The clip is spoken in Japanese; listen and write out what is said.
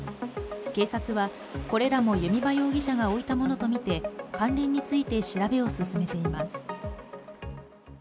警察はこれらも弓場容疑者が置いたものとみて、関連について調べを進めています。